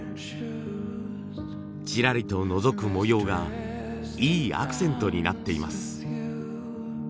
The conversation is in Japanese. ちらりとのぞく模様がいいアクセントになっています。